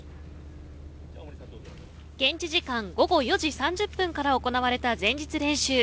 現地時間午後４時３０分から行われた前日練習。